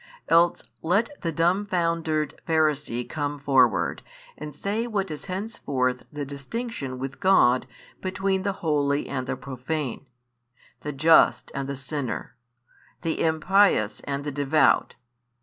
Else let the dumbfoundered Pharisee come forward and say what is henceforth the distinction with God between the holy and the profane, the just and the sinner, the impious and the devout.